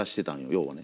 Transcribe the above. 要はね。